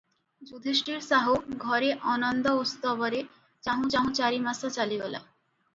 ଯୁଧିଷ୍ଠିର ସାହୁ ଘରେ ଅନନ୍ଦ ଉତ୍ସବରେ ଚାହୁଁ ଚାହୁଁ ଚାରିମାସ ଚାଲିଗଲା ।